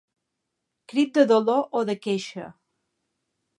Crit de dolor o de queixa.